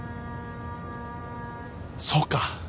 そうか。